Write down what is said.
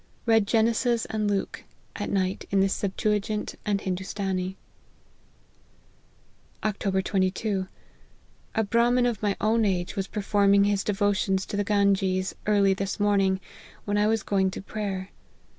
Read Genesis and Luke ; at night in the Septu agint and Hindoostanee." " Oct. 22. A Brahmin of my own age was per forming his devotions to the Ganges early this morning, when I was going to prayer.